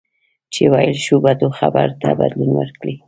چې ویل شوو بدو خبرو ته بدلون ورکړئ.